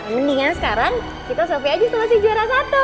mendingan sekarang kita survei aja setelah si juara satu